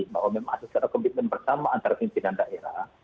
bahwa memang harus ada komitmen pertama antara pimpinan daerah